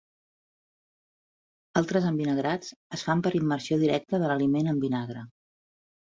Altres envinagrats es fan per immersió directa de l'aliment en vinagre.